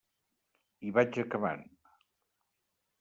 I vaig acabant.